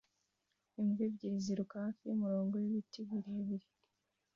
Imbwa ebyiri ziruka hafi yumurongo wibiti birebire